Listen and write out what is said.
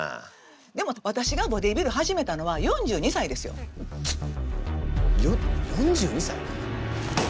でも私がボディービル始めたのは４２歳ですよ。よ４２歳？